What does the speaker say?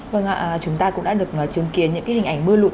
vâng ạ chúng ta cũng đã được chứng kiến những cái hình ảnh mưa lụt